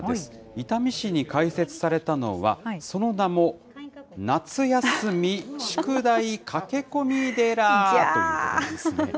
伊丹市に開設されたのは、その名も、夏休み宿題かけこみ寺ということです。